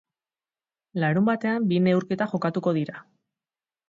Larunbatean bi neurketa jokatuko dira.